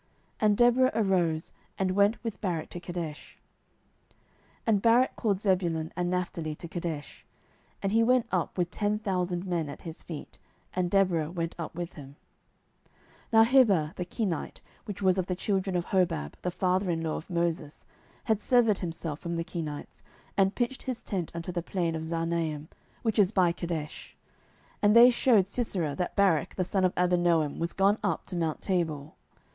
And Deborah arose, and went with Barak to Kedesh. 07:004:010 And Barak called Zebulun and Naphtali to Kedesh; and he went up with ten thousand men at his feet: and Deborah went up with him. 07:004:011 Now Heber the Kenite, which was of the children of Hobab the father in law of Moses, had severed himself from the Kenites, and pitched his tent unto the plain of Zaanaim, which is by Kedesh. 07:004:012 And they shewed Sisera that Barak the son of Abinoam was gone up to mount Tabor.